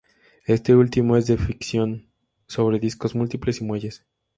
Este último es de fricción sobre discos múltiples y muelles.